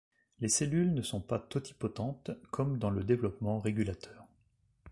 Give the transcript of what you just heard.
Les cellules ne sont pas totipotentes comme dans le développement régulateur.